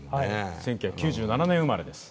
１９９７年生まれです。